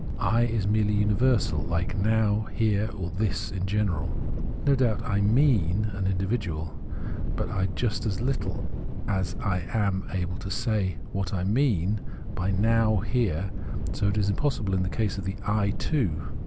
I is merely universal, like Now, Here, or This in general. No doubt I " mean " an individual I, but just as little as I am able to say what I " mean " by Now, Here, so it is impossible in the case of the I too.